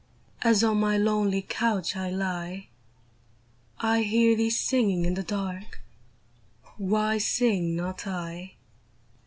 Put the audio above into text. As on my lonely couch I lie, 1 hear thee singing in the dark — Why sing not I